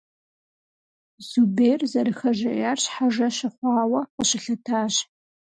Зубер, зэрыхэжеяр щхьэжэ щыхъуауэ, къыщылъэтащ.